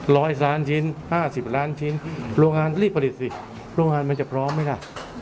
ร้อยล้านชิ้นห้าสิบล้านชิ้นโรงงานรีบผลิตสิโรงงานมันจะพร้อมไหมล่ะ